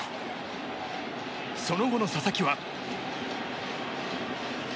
その後の佐々木は。